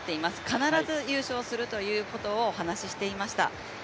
必ず優勝するということをお話ししていました。